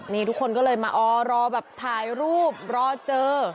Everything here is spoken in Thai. นี่ทุกคนก็เลยมาออรอแบบถ่ายรูปรอเจอ